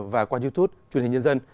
và qua youtube truyền hình nhân dân